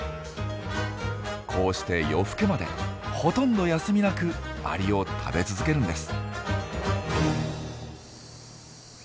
こうして夜更けまでほとんど休みなくアリを食べ続けるんです。